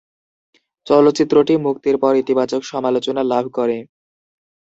চলচ্চিত্রটি মুক্তির পর ইতিবাচক সমালোচনা লাভ করে।